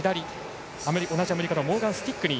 同じアメリカのモーガン・スティックニー。